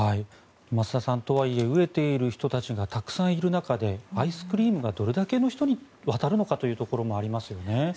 増田さん、とはいえ飢えている人たちがたくさんいる中でアイスクリームがどれだけの人に渡るのかというところもありますよね。